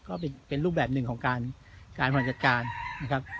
ก็เป็นรูปแบบหนึ่งของการบริหารจัดการนะครับ